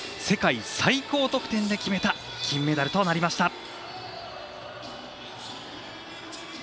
世界最高得点で決めた金メダルとなりました。